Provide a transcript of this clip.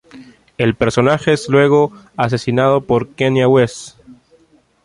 El personaje es luego asesinado por Kanye West.